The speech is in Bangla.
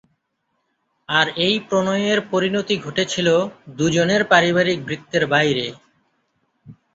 আর এই প্রণয়ের পরিণতি ঘটেছিল দুজনের পারিবারিক বৃত্তের বাইরে।